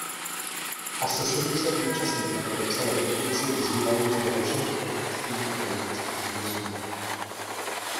Asi sedm set účastníků podepsalo petici vyzývající režim k propuštění politických vězňů.